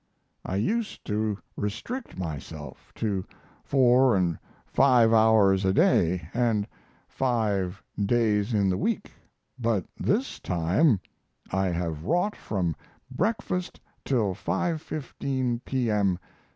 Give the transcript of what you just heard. I used to restrict myself to four and five hours a day and five days in the week, but this time I have wrought from breakfast till 5.15 P.M.